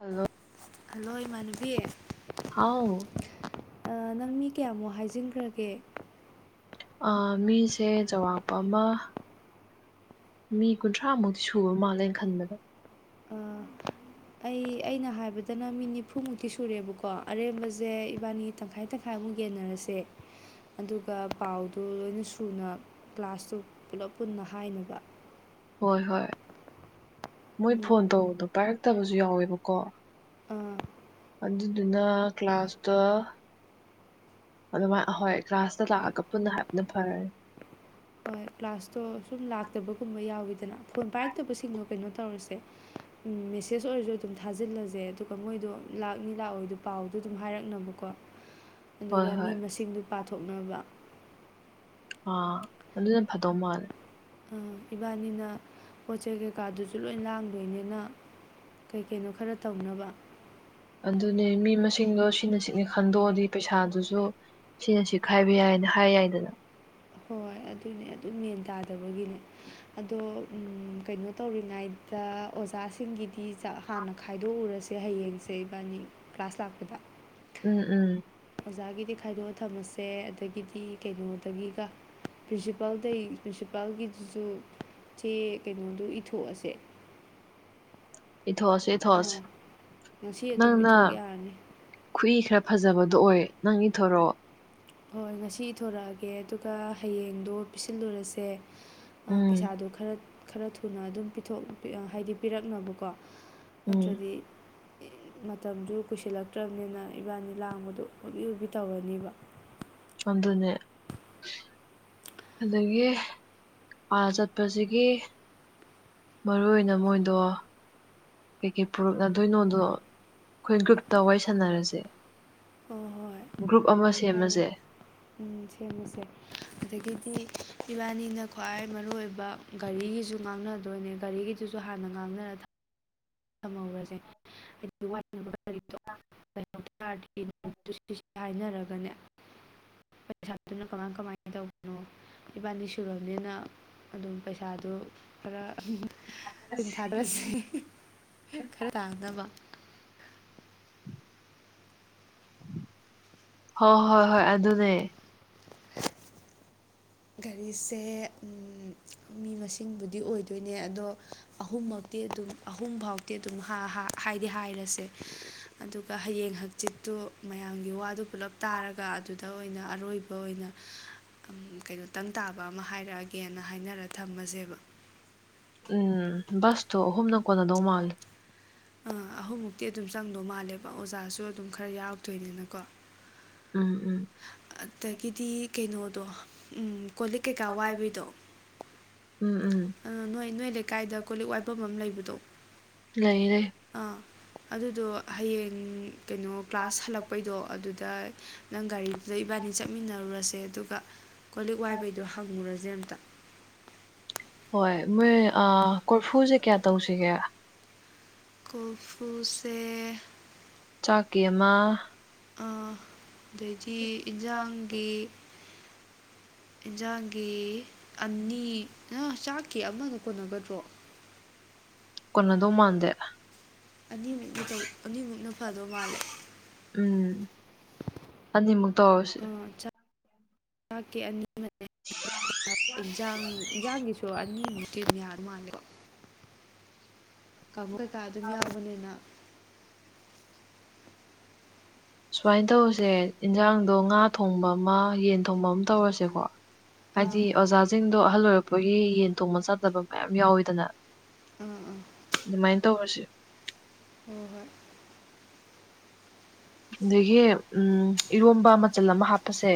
hello hello ꯏꯃꯥꯟꯅꯕꯤ ꯍꯥꯎ [unintelligible] ꯑ ꯅꯪ ꯃꯤ ꯀꯌꯥꯃꯨꯛ ꯍꯥꯏꯖꯤꯟꯈ꯭ꯔꯒꯦ ꯑ ꯃꯤꯁꯦ ꯆꯥꯎꯔꯥꯛꯄ ꯑꯃ ꯃꯤ ꯀꯨꯟꯊ꯭ꯔꯥꯃꯨꯛꯇꯤ ꯁꯨꯕ ꯃꯥꯜꯂꯦ ꯑꯩꯅ ꯈꯟꯕꯗ ꯑ, ꯑꯩ ꯑꯩꯅ ꯍꯥꯏꯕꯗꯅ ꯃꯤ ꯅꯤꯐꯨꯃꯨꯛꯇꯤ ꯁꯨꯔꯦꯕꯀꯣ ꯑꯔꯦꯝꯕꯖꯦ ꯏꯕꯥꯟꯅꯤ ꯇꯪꯈꯥꯏ ꯇꯪꯈꯥꯏꯃꯨꯛ ꯌꯦꯟꯅꯔꯁꯦ ꯑꯗꯨꯒ ꯄꯥꯎꯗꯨ ꯂꯣꯏꯅ ꯁꯨꯅ ꯀ꯭ꯂꯥꯁꯇꯨ ꯄꯨꯂꯞ ꯄꯨꯟꯅ ꯍꯥꯏꯅꯕ ꯍꯣꯏ ꯍꯣꯏ ꯃꯣꯏ ꯐꯣꯟ ꯇꯧꯕꯗꯣ ꯄꯥꯏꯔꯛꯇꯕꯖꯨ ꯌꯥꯎꯋꯦꯕꯀꯣ ꯑꯥ ꯑꯗꯨꯗꯨꯅ ꯀ꯭ꯂꯥꯁꯇ ꯑꯗꯨꯃꯥꯏ ꯑꯍꯣꯏ ꯀ꯭ꯂꯥꯁꯇ ꯂꯥꯛꯑꯒ ꯄꯨꯟꯅ ꯍꯥꯏꯄꯥꯅ ꯐꯔꯅꯤ ꯍꯣꯏ ꯀ꯭ꯂꯥꯁꯇꯣ ꯁꯨꯝ ꯂꯥꯛꯇꯕꯒꯨꯝꯕ ꯌꯥꯎꯋꯤꯗꯅ ꯐꯣꯟ ꯄꯥꯏꯔꯛꯇꯕꯁꯤꯡꯗꯣ ꯀꯩꯅꯣ ꯇꯧꯔꯁꯦ ꯑꯝ ꯃꯦꯁꯦꯁ ꯑꯣꯏꯔꯖꯨ ꯑꯗꯨꯝ ꯊꯥꯖꯤꯜꯂꯖꯦ ꯑꯗꯨꯒ ꯃꯣꯏꯗꯣ ꯂꯥꯛꯅꯤ ꯂꯥꯛꯑꯣꯏꯗꯣ ꯄꯥꯎꯗꯣ ꯑꯗꯨꯝ ꯍꯥꯏꯔꯛꯅꯕꯀꯣ ꯍꯣꯏ ꯑꯗꯨꯒ ꯃꯤ ꯍꯣꯏ ꯃꯁꯤꯡꯗꯨ ꯄꯥꯊꯣꯛꯅꯕ ꯑꯥ ꯑꯗꯨꯅ ꯐꯗꯧ ꯃꯥꯜꯂꯦ ꯑ ꯏꯕꯥꯟꯅꯤꯅ ꯄꯣꯠ ꯆꯩ ꯀꯩꯀꯥꯗꯨꯖꯨ ꯂꯣꯏ ꯂꯥꯡꯗꯣꯏꯅꯤꯅ ꯀꯩꯀꯩꯅꯣ ꯈꯔ ꯇꯧꯅꯕ ꯑꯗꯨꯅꯦ ꯃꯤ ꯃꯁꯤꯡꯗꯣ ꯁꯤꯅ ꯁꯤꯅꯤ ꯈꯟꯗꯣꯛꯑꯗꯤ ꯄꯩꯁꯥꯗꯨꯁꯨ ꯁꯤꯅ ꯁꯤ ꯈꯥꯏꯕ ꯌꯥꯏꯅ ꯍꯥꯏ ꯌꯥꯏꯗꯅ ꯍꯣꯏ ꯑꯗꯨꯅꯦ ꯑꯗꯨ ꯃꯦꯟ ꯇꯥꯗꯕꯒꯤꯅꯦ ꯑꯗꯣ ꯎꯝ ꯀꯩꯅꯣ ꯇꯧꯔꯤꯉꯩꯗ ꯑꯣꯖꯥꯁꯤꯡꯒꯤꯗꯤ ꯆ ꯍꯥꯟꯅ ꯈꯥꯏꯗꯣꯛꯎꯔꯁꯦ ꯍꯌꯦꯡꯁꯦ ꯏꯕꯥꯟꯅꯤ ꯀ꯭ꯂꯥꯁ ꯂꯥꯛꯄꯗ ꯎꯝ ꯎꯝ ꯑꯣꯖꯥꯒꯤꯗꯤ ꯈꯥꯏꯗꯣꯛꯑ ꯊꯝꯃꯁꯦ ꯑꯗꯒꯤꯗꯤ ꯀꯩꯅꯣꯗꯒꯤꯒ ꯄ꯭ꯔꯤꯟꯁꯤꯄꯥꯜꯗꯩ ꯄ꯭ꯔꯤꯟꯁꯤꯄꯥꯜꯒꯤꯗꯨꯖꯨ ꯆꯦ ꯀꯩꯅꯣꯗꯣ ꯏꯊꯣꯛꯑꯁꯦ ꯏꯊꯣꯛꯑꯁꯦ ꯏꯊꯣꯛꯑꯁꯦ ꯑꯥ ꯉꯁꯤ ꯑꯗꯨꯝ ꯅꯪꯅ ꯏꯊꯣꯛ ꯌꯥꯔꯅꯤ ꯈꯨꯏ ꯈꯔ ꯐꯖꯕꯗꯣ ꯑꯣꯏ ꯅꯪ ꯏꯊꯣꯔꯛꯑꯣ ꯍꯣꯏ ꯉꯁꯤ ꯏꯊꯣꯔꯛꯑꯒꯦ ꯑꯗꯨꯒ ꯍꯌꯦꯡꯗꯣ ꯄꯤꯁꯤꯜꯂꯨꯔꯁꯦ ꯑ ꯎꯝ ꯄꯩꯁꯥꯗꯣ ꯈꯔ ꯈꯔ ꯊꯨꯅ ꯑꯗꯨꯝ ꯄꯤꯊꯣꯛ ꯍꯥꯏꯗꯤ ꯄꯤꯔꯛꯅꯕꯀꯣ ꯎꯝ ꯅꯠꯇ꯭ꯔꯗꯤ ꯃꯇꯝꯗꯨ ꯀꯨꯏꯁꯤꯜꯂꯛꯇ꯭ꯔꯝꯅꯤꯅ ꯏꯕꯥꯅꯤ ꯂꯥꯡꯕꯗꯣ ꯍꯣꯕꯦ ꯍꯣꯕꯦ ꯇꯧꯔꯅꯤꯕ ꯑꯗꯨꯅꯦ ꯑꯗꯒꯤ ꯑꯥ ꯆꯠꯄꯖꯤꯒꯤ ꯃꯔꯨꯑꯣꯏꯅ ꯃꯣꯏꯗꯣ ꯀꯩꯀꯩ ꯄꯨꯔꯛꯅꯗꯣꯏꯅꯣꯗꯣ ꯑꯩꯈꯣꯏ ꯒ꯭ꯔꯨꯞꯇ ꯋꯥꯔꯤ ꯁꯥꯟꯅꯔꯖꯦ ꯍꯣ ꯍꯣꯏ ꯒ꯭ꯔꯨꯞ ꯑꯃ ꯑꯗꯨꯃꯥꯏꯅ ꯍꯥꯏꯅ ꯁꯦꯝꯃꯖꯦ ꯎꯝ ꯁꯦꯝꯃꯁꯦ ꯑꯗꯒꯤꯗꯤ ꯏꯕꯥꯅꯤꯅ ꯈ꯭ꯋꯥꯏ ꯃꯔꯨ ꯑꯣꯏꯕ ꯒꯥꯔꯤꯒꯤꯖꯨ ꯉꯥꯡꯅꯗꯣꯏꯅꯦ ꯒꯥꯔꯤꯒꯤ ꯗꯨꯨꯖꯨ ꯍꯥꯟꯅ ꯉꯥꯡꯅꯔ ꯊ [unintelligible] ꯊꯝꯍꯧꯔꯖꯦ ꯍꯥꯏꯗꯤ ꯋꯥꯠꯅꯕ ꯀꯔꯤꯗꯣ [unintelligible] ꯍꯥꯏꯅꯔꯒꯅꯦ ꯄꯩꯁꯥꯗꯨꯅ ꯀꯃꯥꯏ ꯀꯃꯥꯏ ꯇꯧꯕꯅꯣ ꯏꯕꯥꯅꯤ ꯁꯨꯔꯕꯅꯤꯅ ꯑꯗꯨꯝ ꯄꯩꯁꯥꯗꯨ ꯈꯔ ꯇꯤꯟ ꯊꯥꯗꯥꯔꯁꯤ ꯈꯔ ꯇꯥꯡꯅꯕ ꯍꯣ ꯍꯣꯏ ꯍꯣꯏ ꯑꯗꯨꯅꯦ ꯒꯥꯔꯤꯁꯦ ꯎꯝ ꯃꯤ ꯃꯁꯤꯡꯕꯨꯗꯤ ꯑꯣꯏꯗꯣꯏꯅꯦ ꯑꯗꯣ ꯑꯍꯨꯝꯃꯛꯇꯤ ꯑꯗꯨꯝ ꯑꯍꯨꯝ ꯐꯥꯎꯇꯤ ꯑꯗꯨꯝ ꯍꯥ ꯍꯥ ꯍꯥꯏꯗꯤ ꯍꯥꯏꯔꯁꯦ ꯑꯗꯨꯒ ꯍꯌꯦꯡ ꯍꯥꯡꯆꯤꯠꯇꯨ ꯃꯌꯥꯝꯒꯤ ꯋꯥꯗꯨ ꯄꯨꯂꯞ ꯇꯥꯔꯒ ꯑꯗꯨꯗ ꯑꯣꯏꯅ ꯑꯔꯣꯏꯕ ꯑꯣꯏꯅ ꯑꯝ ꯀꯩꯅꯣ ꯇꯪ ꯇꯥꯕꯥ ꯑꯃ ꯍꯥꯏꯔꯛꯑꯒꯦꯅ ꯍꯥꯏꯅꯔ ꯊꯝꯃꯖꯦꯕ ꯎꯝ ꯕꯁꯇꯣ ꯑꯍꯨꯝꯅ ꯀꯣꯟꯅꯗꯧ ꯃꯥꯜꯂꯤ ꯑꯥ ꯑꯍꯨꯝꯃꯨꯛꯇꯤ ꯑꯗꯨꯝ ꯆꯪꯗꯧ ꯃꯥꯜꯂꯦꯕ ꯑꯣꯖꯥꯁꯨ ꯑꯗꯨꯝ ꯈꯔ ꯌꯥꯎꯔꯛꯇꯣꯏꯅꯤꯅꯀꯣ ꯎꯝ ꯎꯝ ꯑꯗꯒꯤꯗꯤ ꯀꯩꯅꯣꯗꯣ ꯎꯝ ꯀꯣꯂꯤꯛ ꯀꯩꯀꯥ ꯋꯥꯏꯕꯩꯗꯣ ꯎꯝ ꯎꯝ ꯑ ꯅꯣꯏ ꯅꯣꯏ ꯂꯩꯀꯥꯏꯗ ꯀꯣꯂꯤꯛ ꯋꯥꯏꯕꯝ ꯑꯃ ꯂꯩꯕꯗꯣ ꯂꯩ ꯂꯩ ꯑꯥ ꯑꯗꯨꯗꯣ ꯍꯌꯦꯡ ꯀꯩꯅꯣ ꯀ꯭ꯂꯥꯁ ꯍꯜꯂꯛꯄꯩꯗꯣ ꯑꯗꯨꯗ ꯅꯪ ꯒꯥꯔꯤꯗꯨꯗ ꯏꯕꯥꯅꯤ ꯆꯠꯃꯤꯟꯅꯔꯨꯔꯁꯦ ꯑꯗꯨꯒ ꯀꯣꯂꯤꯛ ꯋꯥꯏꯕꯩꯗꯣ ꯍꯪꯉꯨꯔꯖꯦ ꯑꯝꯇ ꯍꯣꯏ ꯃꯣꯏ ꯑ ꯀꯣꯔꯐꯨꯖꯦ ꯀꯌꯥ ꯇꯧꯁꯤꯒꯦ ꯀꯣꯔꯐꯨꯁꯦ ꯆꯥꯛꯀꯤ ꯑꯃ ꯑ ꯑꯗꯩꯗꯤ ꯏꯟꯖꯥꯡꯒꯤ ꯏꯟꯖꯥꯡꯒꯤ ꯑꯅꯤ ꯅ ꯆꯥꯛꯀꯤ ꯑꯃꯅ ꯀꯣꯟꯅꯒꯗ꯭ꯔꯣ ꯀꯣꯟꯅꯗꯧ ꯃꯥꯟꯗꯦ ꯑꯅꯤꯃꯨꯛꯅ ꯇꯧ ꯑꯅꯤꯃꯨꯛꯅ ꯐꯗꯧ ꯃꯥꯜꯂꯦ ꯎꯝ ꯑꯅꯤꯃꯨꯛ ꯇꯧꯔꯁꯤ ꯑꯥ ꯆꯥꯛꯀꯤ ꯑꯅꯤ ꯑꯃꯅꯦ [unintelligible] ꯏꯟꯖꯥꯡ ꯏꯟꯖꯥꯡꯒꯤ [unintelligible] ꯗꯣ ꯑꯅꯤꯃꯨꯛꯇꯤ ꯑꯗꯨꯝ ꯌꯥꯗꯧ ꯃꯥꯜꯂꯦꯀꯣ ꯀꯥꯡꯕꯨ ꯀꯩꯀꯥ ꯑꯗꯨꯝ ꯌꯥꯎꯕꯅꯤꯅ ꯁꯨꯃꯥꯏ ꯇꯧꯔꯁꯦ ꯏꯟꯖꯥꯡꯗꯣ ꯉꯥ ꯊꯣꯡꯕ ꯑꯃ ꯌꯦꯟ ꯊꯣꯡꯕ ꯑꯃ ꯇꯧꯔꯁꯦꯀꯣ ꯑꯥ ꯍꯥꯏꯗꯤ ꯑꯣꯖꯥꯖꯤꯡꯗꯣ ꯑꯍꯜ ꯑꯣꯏꯔꯛꯄꯒꯤ ꯌꯦꯟ ꯊꯣꯡꯕ ꯆꯥꯗꯕ ꯃꯌꯥꯝ ꯌꯥꯎꯋꯤꯗꯅ ꯑꯥ ꯑꯥ ꯑꯗꯨꯃꯥꯏ ꯇꯧꯔꯁꯤ ꯍꯣꯏ ꯍꯣꯏ ꯑꯗꯒꯤ ꯎꯝ ꯏꯔꯣꯝꯕ ꯃꯆꯜ ꯑꯃ ꯍꯥꯞꯄꯁꯦ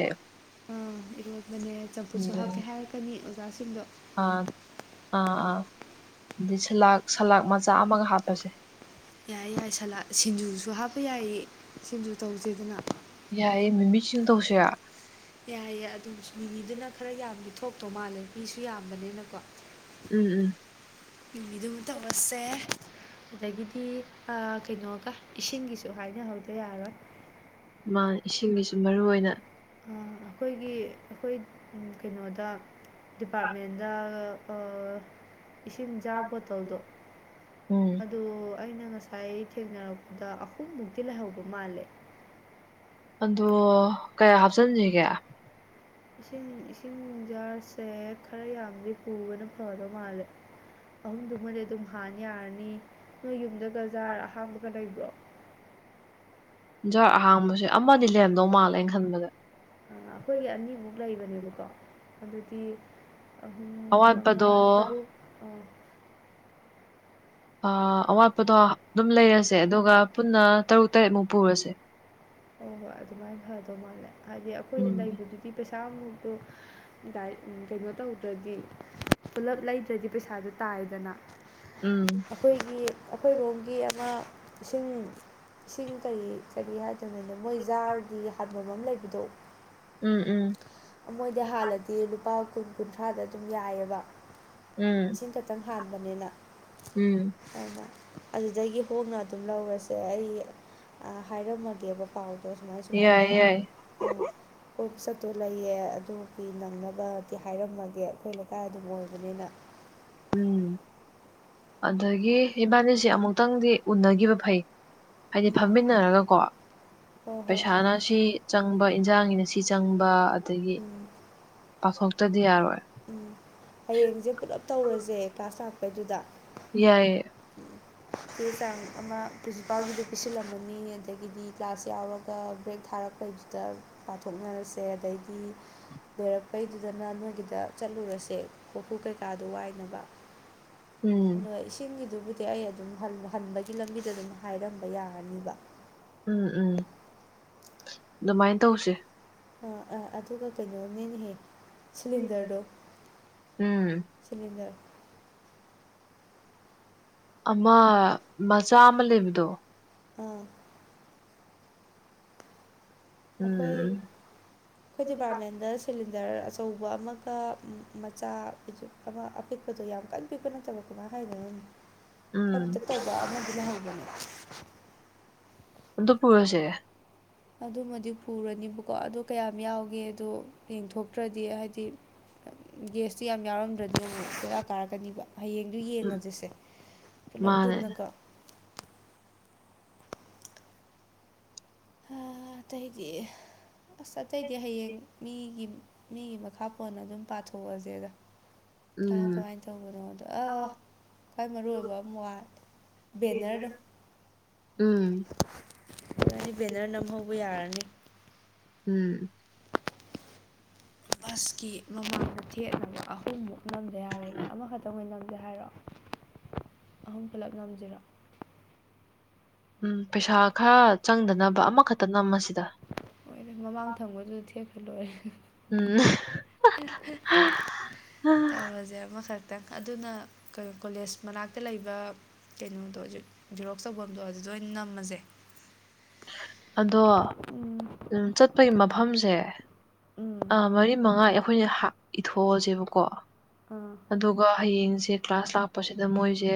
ꯑꯥ ꯏꯔꯣꯟꯕꯅꯦ ꯆꯝꯐꯨꯠꯁꯨ ꯍꯥꯞꯀꯦ ꯑꯗꯒꯤ ꯍꯥꯏꯔꯛꯀꯅꯤ ꯑꯣꯖꯥꯁꯤꯡꯗꯣ ꯑꯥ ꯑꯥ ꯑꯥ ꯑꯗꯤ ꯁꯂꯥꯥꯛ ꯁꯂꯥꯗ ꯃꯆꯥ ꯑꯃꯒ ꯍꯥꯞꯄꯁꯦ ꯌꯥꯏ ꯌꯥꯏ ꯁꯂꯥ ꯁꯤꯡꯖꯨꯁꯨ ꯍꯥꯞꯄ ꯌꯥꯏꯌꯦ ꯁꯤꯡꯖꯨ ꯇꯧꯁꯦꯗꯅ ꯌꯥꯏꯌꯦ ꯃꯤꯃꯤꯁꯤꯡꯁꯨ ꯇꯧꯁꯤꯔꯥ ꯌꯥꯏꯌꯦ ꯑꯗꯨꯝ ꯃꯤꯅꯤꯗꯨꯅ ꯈꯔ ꯌꯥꯝꯃꯤ ꯊꯣꯛꯇꯣ ꯃꯥꯜꯂꯦ ꯃꯤꯁꯨ ꯌꯥꯝꯕꯅꯤꯅꯀꯣ ꯎꯝ ꯎꯝ ꯃꯤꯃꯤꯗꯨꯕꯨ ꯇꯧꯔꯁꯦ ꯑꯗꯒꯤꯗꯤ ꯑ ꯀꯩꯅꯣꯒ ꯏꯁꯤꯡꯒꯤꯁꯨ ꯍꯥꯏꯅꯍꯧꯗ ꯌꯥꯔꯣꯏ ꯃꯥ ꯏꯁꯤꯡꯒꯤꯁꯨ ꯃꯔꯨꯏ ꯑꯣꯏꯅ ꯑꯥ ꯑꯩꯈꯣꯏꯒꯤ ꯑꯩꯈꯣꯏ ꯀꯩꯅꯣꯗ ꯗꯤꯄꯥꯔꯠꯃꯦꯟꯗ ꯏꯁꯤꯡ ꯆꯥ ꯕꯣꯇꯜꯗꯣ ꯎꯝ ꯎ ꯑꯩꯅ ꯉꯁꯥꯏ ꯊꯦꯡꯅꯔꯛꯄꯗ ꯑꯍꯨꯝ ꯃꯨꯛꯇꯤ ꯂꯩꯍꯧꯕ ꯃꯥꯜꯂꯦ ꯑꯗꯣ ꯀꯌꯥ ꯍꯥꯞꯆꯤꯟꯁꯤꯒꯦ ꯏꯁꯤꯡ ꯏꯁꯤꯡꯖꯁꯦ ꯈꯔ ꯌꯥꯝꯗꯤ ꯍꯨꯕꯅ ꯐꯗꯧ ꯃꯥꯜꯂꯦ ꯑꯍꯨꯝꯗꯨꯃꯗꯤ ꯑꯗꯨꯝ ꯍꯥꯟꯅ ꯌꯥꯔꯅꯤ ꯅꯣꯏ ꯌꯨꯝꯗꯒ ꯖꯥꯔ ꯑꯍꯥꯡꯕꯒ ꯂꯩꯕ꯭ꯔꯣ ꯖꯥꯔ ꯑꯍꯥꯡꯕꯁꯦ ꯑꯃꯗꯤ ꯂꯩꯔꯝꯗꯧ ꯃꯥꯜꯂꯦ ꯑꯩꯅ ꯈꯟꯕꯗ ꯑꯩꯈꯣꯏꯒꯤ ꯑꯅꯤꯃꯨꯛ ꯂꯩꯕꯅꯦꯕꯀꯣ ꯑꯗꯨꯗꯤ ꯑꯍꯨꯝ ꯃꯉꯥ ꯑꯋꯥꯠꯄꯗꯣ ꯇꯔꯨꯛ ꯑ ꯑ ꯑꯋꯥꯠꯄꯗꯣ ꯑꯗꯨꯝ ꯂꯩꯔꯁꯦ ꯑꯗꯨꯒ ꯄꯨꯟꯅ ꯇꯔꯨꯛ ꯇꯔꯦꯠꯃꯨꯛ ꯄꯨꯔꯁꯦ ꯍꯣ ꯍꯣꯏ ꯑꯗꯨꯃꯥꯏꯅ ꯐꯗꯧ ꯃꯥꯜꯂꯦ ꯍꯥꯏꯗꯤ ꯑꯩꯈꯣꯏꯗꯤ ꯎꯝ ꯂꯩꯕꯗꯨꯏ ꯗꯤ ꯄꯩꯁꯥꯃꯨꯛꯇꯣ ꯀꯩꯅꯣ ꯇꯧꯗ꯭ꯔꯗꯤ ꯄꯨꯜꯂꯞ ꯂꯩꯗ꯭ꯔꯗꯤ ꯄꯩꯁꯥꯗꯨ ꯇꯥꯔꯦꯗꯅ ꯎꯝ ꯑꯈꯣꯏꯒꯤ ꯑꯈꯣꯏꯔꯣꯝꯒꯤ ꯑꯃ ꯏꯁꯤꯡ ꯏꯁꯤꯡ ꯀꯔꯤ ꯀꯔꯤ ꯍꯥꯏꯗꯣꯏꯅ ꯃꯣꯏ ꯖꯥꯔꯒꯤ ꯍꯥꯠꯐꯝ ꯑꯃ ꯂꯩꯕꯗꯣ ꯎꯝ ꯎꯝ ꯃꯣꯏꯗꯤ ꯍꯥꯜꯂꯗꯤ ꯂꯨꯄꯥ ꯀꯨꯟ ꯀꯨꯟꯊ꯭ꯔꯥꯗ ꯑꯗꯨꯝ ꯎꯝ ꯌꯥꯏꯑꯕꯁꯤꯡ ꯈꯤꯇꯪ ꯍꯥꯟꯕꯅꯤꯅ ꯎꯝ ꯍꯣ ꯍꯣꯏ ꯑꯗꯨꯗꯒꯤ ꯍꯣꯡꯅ ꯑꯗꯨꯝ ꯂꯧꯔꯁꯦ ꯑꯩ ꯑ ꯍꯥꯏꯔꯝꯃꯒꯦꯕ ꯄꯥꯎꯗ ꯁꯨꯃꯥꯏ ꯌꯥꯏ ꯁꯨꯃꯥꯏꯅ ꯌꯥꯏ ꯎꯝ ꯎꯞꯆꯠꯇꯣ ꯂꯩꯌꯦ ꯑꯗꯨꯤ ꯅꯪꯅꯕꯗꯤ ꯍꯥꯏꯔꯝꯃꯒꯦ ꯑꯩꯈꯣꯏ ꯂꯩꯀꯥꯏ ꯑꯗꯨꯝ ꯑꯣꯏꯕꯅꯤꯅ ꯎꯝ ꯑꯗꯒꯤ ꯏꯕꯥꯅꯤꯁꯦ ꯑꯃꯨꯛꯇꯪꯗꯤ ꯎꯅꯈꯤꯕ ꯐꯩ ꯍꯥꯏꯗꯤ ꯎꯝ ꯐꯝꯃꯤꯟꯅꯔꯒꯀꯣ ꯍꯣꯏ ꯍꯣꯏ ꯍꯣꯏ ꯄꯩꯁꯥꯅ ꯁꯤ ꯆꯪꯕ ꯏꯟꯖꯥꯡꯒꯤꯅ ꯁꯤ ꯆꯪꯕ ꯑꯗꯒꯤ ꯎꯝ ꯄꯥꯊꯣꯛꯇꯗꯤ ꯌꯥꯔꯣꯏ ꯎꯝ ꯍꯌꯦꯡꯁꯦ ꯄꯨꯂꯞ ꯇꯧꯔꯁꯦ ꯀ꯭ꯂꯥꯁ ꯂꯥꯛꯄꯩꯗꯨꯗ ꯌꯥꯏꯌꯦ ꯆꯦ ꯆꯥꯡ ꯑꯃ ꯄ꯭ꯔꯤꯟꯁꯤꯄꯥꯜꯒꯤꯗ ꯄꯤꯁꯤꯜꯂꯝꯃꯅꯤ ꯑꯗꯒꯤꯗꯤ ꯀ꯭ꯂꯥꯁ ꯌꯥꯎꯔꯒ ꯕ꯭ꯔꯦꯛ ꯊꯥꯔꯛꯄ ꯑꯩꯈꯣꯏꯗꯨꯗ ꯄꯥꯊꯣꯛꯅꯔꯁꯦ ꯑꯗꯩꯗꯤ ꯂꯣꯏꯔꯛꯄꯩꯗꯨꯗꯅ ꯅꯣꯏꯒꯤꯗ ꯆꯠꯂꯨꯔꯁꯦ ꯀꯣꯔꯐꯨ ꯀꯩꯀꯥꯗꯣ ꯋꯥꯏꯅꯕ [inaudible] ꯎꯝ ꯑꯗꯨꯒ ꯏꯁꯤꯡꯒꯤꯗꯨꯕꯨꯗꯤ ꯑꯩ ꯑꯗꯨꯝ ꯍꯟꯕꯒꯤ ꯂꯝꯕꯤꯗ ꯑꯗꯨꯝ ꯍꯥꯏꯔꯝꯕ ꯌꯥꯔꯅꯤꯕ ꯎꯝ ꯎꯝ ꯑꯗꯨꯃꯥꯏꯅ ꯇꯧꯁꯦ ꯑꯥ ꯑꯥ ꯑꯗꯨꯒ ꯀꯩꯅꯣꯅꯤꯅꯦꯍꯦ ꯁꯤꯂꯤꯟꯗꯔꯗꯣ ꯎꯝ ꯁꯤꯂꯤꯦꯟꯗꯔ ꯑꯃ ꯃꯆꯥ ꯑꯃ ꯂꯩꯕꯗꯣ ꯑꯥ ꯑꯩꯈꯣꯏ ꯎꯝ ꯑꯈꯣꯏ ꯗꯤꯄꯥꯔꯠꯃꯦꯟꯗ ꯁꯤꯂꯤꯟꯗꯔ ꯑꯆꯧꯕ ꯑꯃꯒ ꯃꯆꯥ ꯄꯤꯖꯨ ꯀꯃ ꯑꯄꯤꯛꯄꯗꯣ ꯌꯥꯝ ꯀꯟ ꯄꯤꯛꯄ ꯅꯠꯇꯕ ꯀꯃꯥꯏ ꯍꯥꯏꯗꯣꯏꯅꯣ ꯎꯝ ꯈꯪꯗꯦ [unintelligible] ꯍꯧꯕꯅꯦ ꯑꯗꯨ ꯄꯨꯔꯁꯦ ꯑꯗꯨꯃꯗꯤ ꯄꯨꯔꯅꯤꯕꯀꯣ ꯑꯗꯨ ꯀꯌꯥꯝ ꯌꯥꯎꯒꯦ ꯑꯗꯣ ꯌꯦꯡꯊꯣꯛꯇ꯭ꯔꯗꯤ ꯍꯥꯏꯗꯤ ꯒꯦꯁꯇꯨ ꯌꯥꯝ ꯌꯥꯎꯔꯝꯗ꯭ꯔꯗꯤꯅꯦ ꯑꯃꯨꯛ ꯕꯦꯔꯥ ꯀꯥꯔꯛꯀꯅꯤꯕ ꯍꯌꯦꯡꯗꯨ ꯎꯝ ꯌꯦꯡꯉꯁꯤꯁꯦ ꯄꯨꯂꯞ ꯃꯥꯅꯦ ꯄꯨꯟꯅꯀꯣ ꯑ ꯑꯇꯩꯗꯤ ꯑꯁ ꯑꯇꯩꯗꯤ ꯍꯌꯦꯡ ꯃꯤꯒꯤ ꯃꯤꯒꯤ ꯃꯈꯥ ꯄꯣꯟꯅ ꯑꯗꯨꯝ ꯄꯥꯊꯣꯛꯑꯁꯦꯗ ꯀꯃ ꯎꯝ ꯀꯃꯥꯏꯅ ꯇꯧꯕꯅꯣꯗꯣ ꯑ ꯈ꯭ꯋꯥꯏ ꯃꯔꯨ ꯑꯣꯏꯕ ꯑꯃ ꯋꯥ ꯕꯦꯅꯔꯗꯣ ꯎꯝ ꯍꯥꯏꯗꯤ ꯕꯦꯅꯔ ꯅꯝꯍꯧꯕ ꯌꯥꯔꯅꯤ ꯎꯝ ꯕꯁꯀꯤ ꯃꯃꯥꯡ ꯊꯦꯠꯅꯕ ꯑꯍꯨꯝꯃꯨꯛ ꯅꯝꯗ ꯌꯥꯔꯣꯏꯅꯦ ꯑꯃꯈꯛꯇꯪ ꯑꯣꯏꯅ ꯅꯝꯖꯦ ꯍꯥꯏꯔꯣ ꯑꯍꯨꯝ ꯄꯨꯂꯞ ꯉꯝꯁꯤꯔꯣ ꯎꯝ ꯄꯩꯁꯥ ꯈꯔ ꯆꯪꯗꯅꯕ ꯑꯃꯈꯛꯇ ꯅꯝꯃꯁꯤꯗ ꯍꯣꯏꯗ ꯃꯃꯥꯡ ꯊꯪꯕꯗꯨꯗ ꯊꯦꯠꯈ꯭ꯔꯥ ꯂꯣꯏꯔꯦ ꯎꯝ [unintelligible] ꯇꯧꯔꯨꯔꯁꯦ ꯑꯃꯈꯛꯇꯪ ꯑꯗꯨꯅ ꯀꯣꯂꯦꯖ ꯃꯅꯥꯛꯇ ꯂꯩꯕ ꯀꯩꯅꯣꯗꯣ ꯖꯦ ꯔꯣꯛꯁ ꯇꯧꯐꯝꯗꯣ ꯑꯗꯨꯗ ꯑꯣꯏꯅ ꯅꯝꯃꯁꯦ ꯑꯗꯣ ꯎꯝ ꯆꯠꯄꯒꯤ ꯃꯐꯝꯁꯦ ꯎꯝ ꯑ ꯃꯔꯤ ꯃꯉꯥ ꯑꯩꯈꯣꯏꯅ ꯏꯊꯣꯛꯑꯁꯦꯕꯀꯣ ꯑꯥ ꯑꯗꯨꯒ ꯍꯌꯦꯡꯁꯦ ꯀ꯭ꯂꯥꯁ ꯂꯥꯛꯄꯁꯤꯗ ꯃꯣꯏꯁꯦ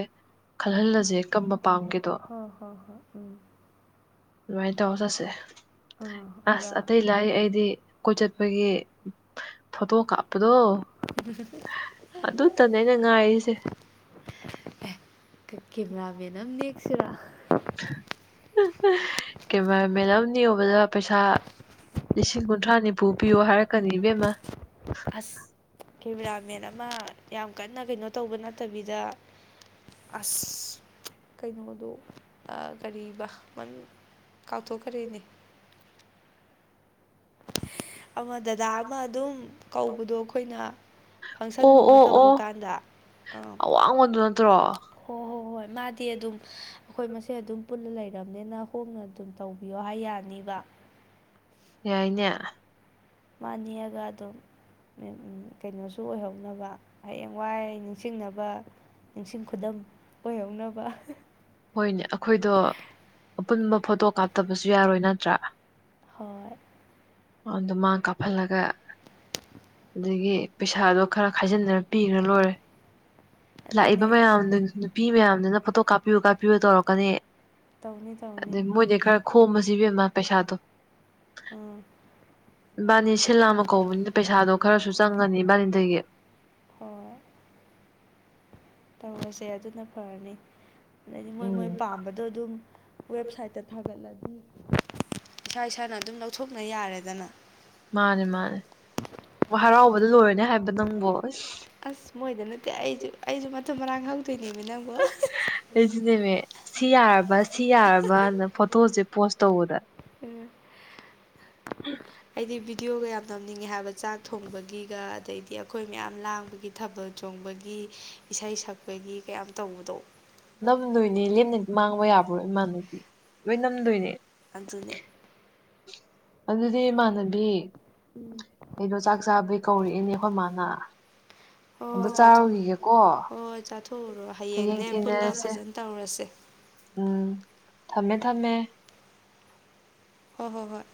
ꯈꯜꯍꯜꯂꯁꯦ ꯀꯝꯕ ꯄꯥꯝꯒꯦꯗꯣ ꯍꯣ ꯍꯣ ꯍꯣꯏ ꯎꯝ ꯑꯗꯨꯃꯥꯏꯅ ꯇꯧꯔ ꯆꯠꯁꯦ ꯑꯥ ꯑꯁ ꯑꯣꯖꯥ ꯑꯇꯩ ꯂꯥꯏꯔꯤ ꯑꯩꯗꯤ ꯀꯣꯏꯆꯠꯄꯒꯤ ꯐꯣꯇꯣ ꯀꯥꯞꯄꯗꯣ ꯑꯗꯨꯇꯅꯦ ꯑꯩꯅ ꯉꯥꯏꯔꯤꯁꯦ ꯑꯦꯍ ꯀꯦꯃꯦꯔꯥꯃꯦꯟ ꯑꯃ ꯅꯦꯛꯁꯤꯔꯥ ꯀꯦꯃꯦꯔꯥꯃꯦꯟ ꯑꯃ ꯅꯦꯛꯎꯕꯗ ꯄꯩꯁꯥ ꯂꯤꯁꯤꯡ ꯀꯨꯟꯊ꯭ꯔꯥ ꯅꯤꯐꯨ ꯄꯤꯌꯣ ꯍꯥꯏꯔꯛꯀꯅꯤ ꯏꯕꯦꯝꯃ ꯑꯁ ꯀꯦꯃꯦꯔꯥꯃꯦꯟ ꯑꯃ ꯌꯥꯝ ꯀꯟꯅ ꯀꯩꯅꯣ ꯇꯧꯕ ꯅꯠꯇꯕꯤꯗ ꯑꯁ ꯀꯩꯅꯣꯗꯣ ꯑ ꯀꯔꯤꯕ ꯃꯃꯤꯡ ꯀꯥꯎꯊꯣꯛꯈꯔꯦꯅꯦ ꯑꯃ ꯗꯥꯗꯥ ꯑꯃ ꯑꯗꯨꯝ ꯀꯧꯕꯗꯣ ꯑꯈꯣꯏꯅ ꯑꯣ ꯐꯪꯁꯟꯒꯨꯝꯕ ꯑꯣ ꯇꯧꯕ ꯑꯣ ꯀꯥꯟꯗ ꯑ ꯑꯋꯥꯡꯕꯗꯨ ꯅꯠꯇ꯭ꯔꯣ ꯍꯣ ꯍꯣ ꯍꯣꯏ ꯃꯥꯗꯤ ꯑꯗꯨꯝ ꯑꯩꯈꯣꯏ ꯃꯁꯦꯟ ꯑꯗꯨꯝ ꯄꯨꯟꯅ ꯂꯩꯔꯕꯅꯤꯅ ꯍꯣꯡꯅ ꯑꯗꯨꯝ ꯇꯧꯕꯤꯌꯣ ꯍꯥꯏ ꯌꯥꯅꯤꯕ ꯌꯥꯏꯅꯦ ꯃꯥ ꯅꯦꯛꯑꯒ ꯑꯗꯨꯝ ꯎꯝ ꯀꯩꯅꯣꯁꯨ ꯑꯣꯏꯍꯧꯅꯕ ꯍꯌꯦꯡꯋꯥꯏ ꯅꯤꯡꯁꯤꯡꯅꯕ ꯅꯤꯡꯁꯤꯡ ꯈꯨꯗꯝ ꯑꯣꯏꯍꯧꯅꯕ ꯍꯣꯏꯅꯦ ꯑꯈꯣꯏꯗꯣ ꯑꯄꯨꯟꯕ ꯐꯣꯇꯣ ꯀꯥꯞꯇꯕꯁꯨ ꯌꯥꯔꯣꯏ ꯅꯠꯇ꯭ꯔꯥ ꯍꯣꯏ ꯑꯗꯨ ꯃꯥ ꯀꯥꯞꯍꯜꯂꯒ ꯑꯗꯒꯤ ꯄꯩꯁꯥꯗꯣ ꯈꯔ ꯈꯥꯏꯖꯤꯟꯅꯔ ꯄꯤꯒ꯭ꯔ ꯂꯣꯏꯔꯦ ꯂꯥꯛꯏꯕ ꯑꯗꯨꯅꯦ ꯃꯌꯥꯝꯗꯨ ꯅꯨꯄꯤ ꯃꯌꯥꯝꯗꯨꯅ ꯐꯣꯇꯣ ꯀꯥꯞꯄꯤꯌꯨ ꯀꯥꯞꯄꯤꯌꯨ ꯇꯧꯔꯛꯀꯅꯤ ꯇꯧꯅꯤ ꯇꯧꯅꯤ [unintelligible] ꯏꯕꯦꯝꯃꯥ ꯄꯩꯁꯥꯇꯣ ꯑꯥ ꯏꯕꯥꯅꯤ ꯁꯤꯜꯂꯥꯝꯕ ꯀꯧꯕꯅꯤꯅ ꯄꯩꯁꯥꯗꯣ ꯈꯔꯁꯨ ꯆꯪꯉꯅꯤ ꯏꯕꯥꯅꯤꯗꯒꯤ ꯑꯣꯍ ꯇꯧꯔꯁꯦ ꯑꯗꯨꯅ ꯐꯔꯅꯤ ꯑꯗꯩꯗꯤ ꯃꯣꯏ ꯃꯣꯏ ꯎꯝ ꯄꯥꯝꯕꯗꯣ ꯑꯗꯨꯝ ꯋꯦꯕꯁꯥꯏꯠꯇ ꯊꯥꯒꯠꯂꯗꯤ ꯏꯁꯥ ꯏꯁꯥꯅ ꯑꯗꯨꯝ ꯂꯧꯊꯣꯛꯅ ꯌꯥꯔꯦꯗꯅ ꯃꯥꯅꯦ ꯃꯥꯅꯦ ꯃ‌ꯣ ꯍꯔꯥꯎꯕꯗ ꯂꯣꯏꯔꯅꯦ ꯍꯥꯏꯕ ꯅꯪꯕꯣ ꯑꯁ ꯃꯣꯏꯗ ꯅꯠꯇꯦ ꯑꯩꯁꯨ ꯑꯩꯁꯨ ꯃꯊꯨꯝ ꯃꯔꯥꯡ ꯍꯧꯗꯣꯏꯅꯦꯃꯤ ꯅꯪꯕꯣ ꯑꯩꯖꯨꯅꯦꯃꯦ ꯁꯤ ꯌꯥꯔꯕ ꯁꯤ ꯌꯥꯔꯕꯅ ꯐꯣꯇꯣꯁꯦ ꯄꯣꯁ ꯇꯧꯕꯗ ꯎꯝ ꯑꯩꯗꯤ ꯕꯤꯗꯤꯑꯣꯒ ꯌꯥꯝ ꯅꯝꯅꯤꯡꯉꯦ ꯍꯥꯏꯕ ꯆꯥꯛ ꯊꯣꯡꯕꯒꯤꯒ ꯑꯗꯩꯗꯤ ꯑꯈꯣꯏ ꯃꯌꯥꯝ ꯂꯥꯡꯕꯒꯤ ꯊꯥꯕꯜ ꯆꯣꯡꯕꯒꯤ ꯏꯁꯩ ꯁꯛꯄꯒꯤꯒ ꯌꯥꯝ ꯇꯧꯕꯗꯣ ꯅꯝꯗꯣꯏꯅꯦ ꯂꯦꯝꯅꯗꯤ ꯃꯥꯡꯕ ꯌꯥꯕ꯭ꯔꯣ ꯏꯃꯥꯟꯅꯕꯤ ꯂꯣꯏ ꯅꯝꯗꯣꯏꯅꯦ ꯑꯗꯨꯅꯦ ꯑꯗꯨꯗꯤ ꯏꯃꯥꯟꯅꯕꯤ ꯎꯝ ꯑꯩꯗꯣ ꯆꯥꯛ ꯆꯥꯕꯩ ꯀꯧꯔꯛꯑꯦꯅꯦ ꯑꯈꯣꯏ ꯃꯥꯅ ꯍꯣꯏ ꯑꯝꯇ ꯍꯣꯏ ꯆꯥꯊꯣꯛ ꯆꯥꯔꯨꯈꯤꯒꯦꯀꯣ ꯍꯣꯏ ꯍꯣꯏ ꯆꯥꯊꯣꯛꯎꯔꯣ ꯍꯌꯦꯡ ꯍꯌꯦꯡꯅꯦ ꯄꯨꯜꯂꯒ ꯊꯦꯡꯅꯔꯁꯦ ꯐꯖꯅ ꯇꯧꯔꯁꯦ ꯎꯝ ꯊꯝꯃꯦ ꯊꯝꯃꯦ ꯍꯣꯏ ꯍꯣꯏ ꯍꯣꯏ